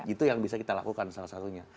itu yang bisa kita lakukan salah satunya